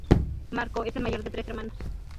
Marko es el mayor de tres hermanos.